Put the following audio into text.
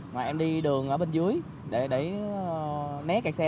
mà em đi đường ở bên dưới để né kẹt xe